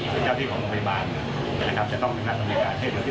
สแต่เจ้าที่ของโรงพยาบาลจะต้องเน้นรักในการเทพสุด